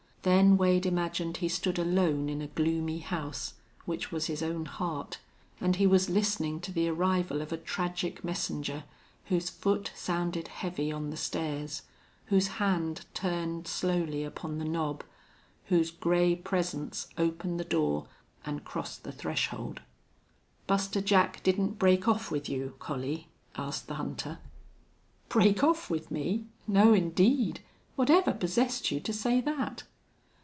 Then Wade imagined he stood alone in a gloomy house, which was his own heart, and he was listening to the arrival of a tragic messenger whose foot sounded heavy on the stairs, whose hand turned slowly upon the knob, whose gray presence opened the door and crossed the threshold. "Buster Jack didn't break off with you, Collie?" asked the hunter. "Break off with me!... No, indeed! Whatever possessed you to say that?"